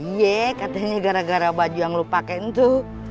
iya katanya gara gara baju yang lo pake itu